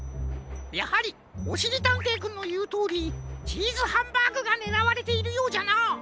やはりおしりたんていくんのいうとおりチーズハンバーグがねらわれているようじゃな。